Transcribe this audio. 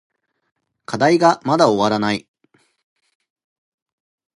課題がまだ終わらない。